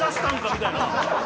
みたいな。